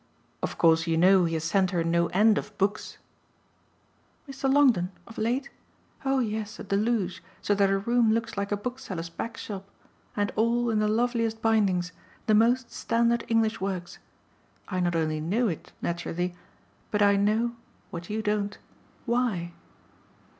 "Of course you know he has sent her no end of books." "Mr. Longdon of late? Oh yes, a deluge, so that her room looks like a bookseller's back shop; and all, in the loveliest bindings, the most standard English works. I not only know it, naturally, but I know what you don't why."